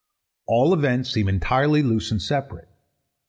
All events seem entirely loose and separate.